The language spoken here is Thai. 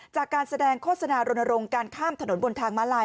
จากการแสดงโฆษณารณรงค์การข้ามถนนบนทางมาลาย